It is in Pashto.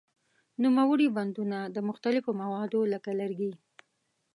نوموړي بندونه د مختلفو موادو لکه لرګي.